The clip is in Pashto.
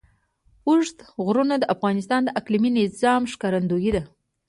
اوږده غرونه د افغانستان د اقلیمي نظام ښکارندوی ده.